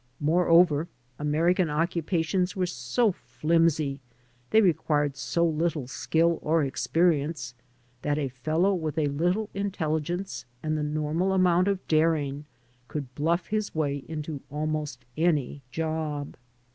Moreover, American occupations were so flimsy, they required so little skill or experience, that a fellow with a little intelligence and the normal amount of daring could bluff his way into almost any job.